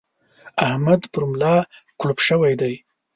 احمد پر ملا کړوپ شوی دی.